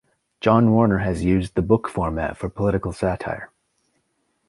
John Warner has used the book format for political satire.